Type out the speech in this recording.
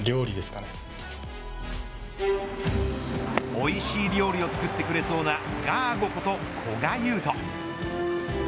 おいしい料理を作ってくれそうなガーゴこと古賀悠斗。